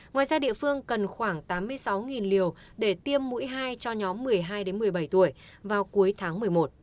ngoài ra địa phương cần khoảng tám mươi sáu liều để tiêm mũi hai cho nhóm một mươi hai một mươi bảy tuổi vào cuối tháng một mươi một